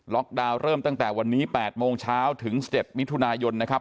ดาวน์เริ่มตั้งแต่วันนี้๘โมงเช้าถึง๑๗มิถุนายนนะครับ